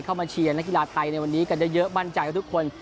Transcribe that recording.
เข้ามาเชียร์นักกีฬาไทยในวันนี้กันจะเยอะบ้านใจกับทุกคน